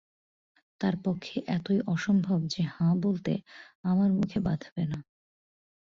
তার পক্ষে এতই অসম্ভব যে হাঁ বলতে আমার মুখে বাধবে না।